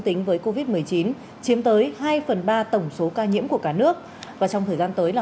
tính với covid một mươi chín chiếm tới hai phần ba tổng số ca nhiễm của cả nước và trong thời gian tới là